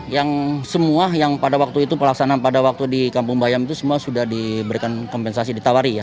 yang semua yang pada waktu itu pelaksanaan pada waktu di kampung bayam itu semua sudah diberikan kompensasi ditawari ya